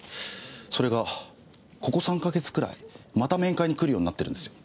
それがここ３か月くらいまた面会に来るようになってるんですよ。